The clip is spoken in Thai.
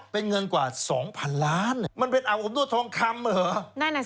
เป็นเงินกว่า๒๐๐๐ล้านมันเป็นอาบอบนวดทองคำเหรอ